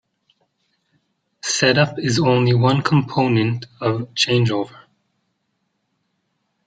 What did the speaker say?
Set-up is only one component of changeover.